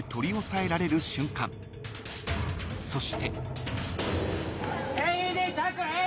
［そして］